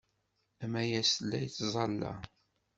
Amayas la yettẓalla.